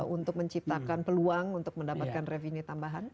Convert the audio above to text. untuk menciptakan peluang untuk mendapatkan revenue tambahan